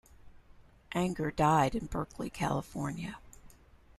Anger died in Berkeley, California.